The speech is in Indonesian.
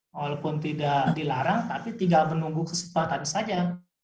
walaupun tidak dilarang tapi tinggal menunggu kesempatan saja